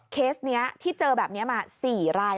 เคสนี้ที่เจอแบบนี้มา๔ราย